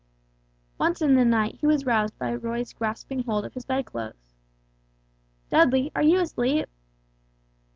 Once in the night he was roused by Roy's grasping hold of his bedclothes. "Dudley, are you asleep?"